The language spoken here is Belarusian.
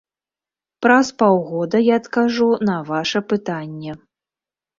Праз паўгода я адкажу на ваша пытанне.